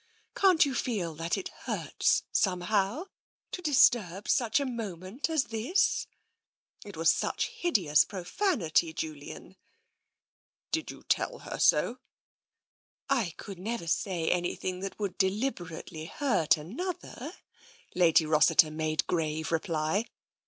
J Can't you feel that it hurts, somehow, to disturb such a moment as this ?' It was such hideous profanity, Julian !" "Did you tell her so?" " I could never say anything that would deliberately hurt another," Lady Rossiter made grave reply.